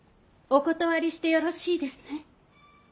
お断りしてよろしいですね。